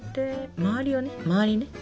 まわりをねまわりね。